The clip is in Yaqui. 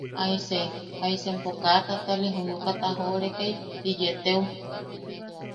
¿Aise, jaisa empo kaa tatale junuka tajoʼoreka ti yeeteu!